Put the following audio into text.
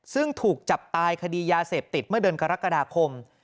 ซึ่งถูกจับตายคดียาเสพติดเมื่อเดือนกรกฎาคม